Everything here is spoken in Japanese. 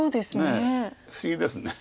不思議です。